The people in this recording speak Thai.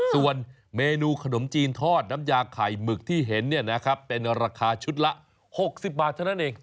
ส่วนเมนูขนมจีนทอดน้ำยาไข่หมึกที่เห็นเป็นราคาชุดละ๖๐บาทเท่านั้นเอง